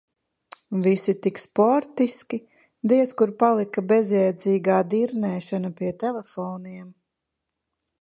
Visi tik sportiski, diez kur palika bezjēdzīgā dirnēšana pie telefoniem.